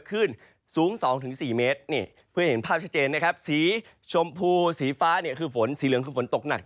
ขึ้นสูง๒๔เมตรเพื่อเห็นภาพชัดเจนนะครับสีชมพูสีฟ้าเนี่ยคือฝนสีเหลืองคือฝนตกหนัก